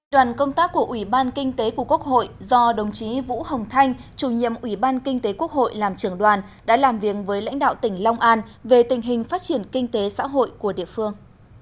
đoàn công tác của ủy ban kinh tế của quốc hội do đồng chí vũ hồng thanh chủ nhiệm ủy ban kinh tế quốc hội làm trưởng đoàn đã làm việc với lãnh đạo tỉnh long an về tình hình phát triển kinh tế xã hội của địa phương